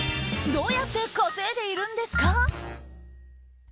どうやって稼いでいるんですか？